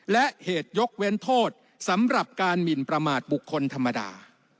และเหตุยกเว้นโทษสำหรับการหมินประมาทบุคคลธรรมดา